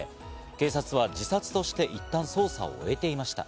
警察が自殺として一旦、捜査を終えていました。